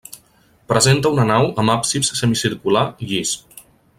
Presenta una nau amb absis semicircular llis.